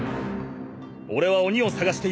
俺は鬼を探している者。